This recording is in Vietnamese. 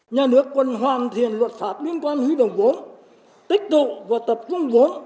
nhà nước quân hoàn thiện luật pháp liên quan hữu đồng vốn tích tụ và tập trung vốn